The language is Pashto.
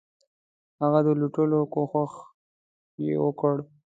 هغه د لوټلو کوښښ یې وکړ.